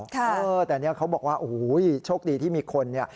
แต่เนี่ยเขาบอกว่าโอ้โหโชคดีที่มีคนเนี่ย